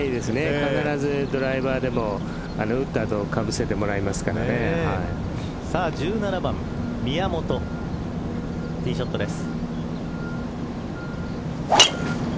必ずドライバーでも打った後１７番宮本ティーショットです。